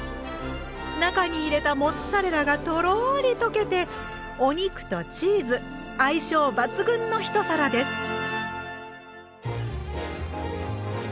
中に入れたモッツァレラがとろりとけてお肉とチーズ相性抜群の一皿です。